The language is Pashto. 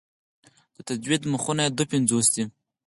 د تجوید مخونه یې دوه پنځوس دي.